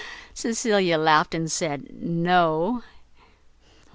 Cecilia laughed, and said "No."